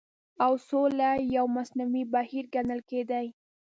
او سوله يو مصنوعي بهير ګڼل کېدی